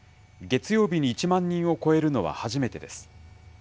月曜日に１万人を超えるのは初めてです。